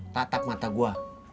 tatap mata gua